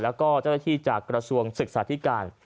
และเจ้าที่จากกระทรวงศึกษาธิการ